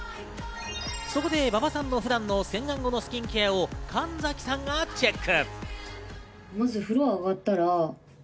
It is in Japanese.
馬場さんの普段の洗顔後のスキンケアを神崎さんがチェック。